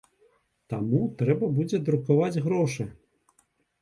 Таму трэба будзе друкаваць грошы.